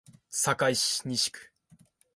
堺市西区